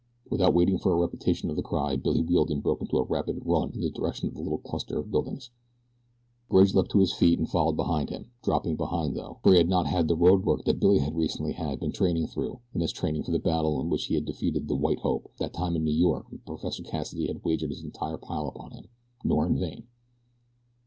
Without waiting for a repetition of the cry Billy wheeled and broke into a rapid run in the direction of the little cluster of buildings. Bridge leaped to his feet and followed him, dropping behind though, for he had not had the road work that Billy recently had been through in his training for the battle in which he had defeated the "white hope" that time in New York when Professor Cassidy had wagered his entire pile upon him, nor in vain.